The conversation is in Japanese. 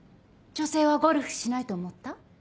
女性はゴルフしないと思った？